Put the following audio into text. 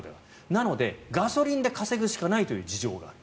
なので、ガソリンで稼ぐしかないという事情が。